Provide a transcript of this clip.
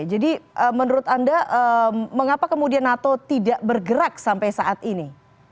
jadi menurut anda mengapa kemudian nato tidak bergerak sampai saat ini